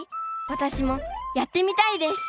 私もやってみたいです！